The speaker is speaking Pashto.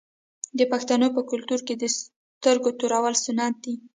د پښتنو په کلتور کې د سترګو تورول سنت دي.